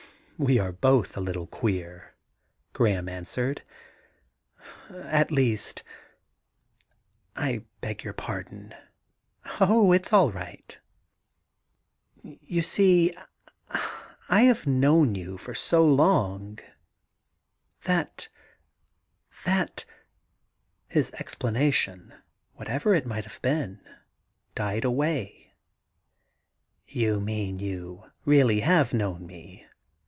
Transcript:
*We are both a little queer,' Graham answered. * At least ... I beg your pardon ' 'Oh, it 'sail right' * You see — ^you see I have known you for so long that — ^that ' His explanation, whatever it might have been, died away. ' You mean you have really known me.